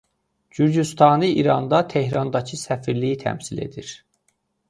Gürcüstanı İranda Tehrandakı səfirliyi təmsil edir.